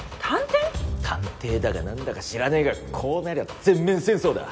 探偵だかなんだか知らないがこうなりゃ全面戦争だ。